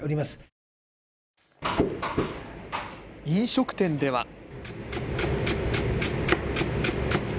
飲食店では。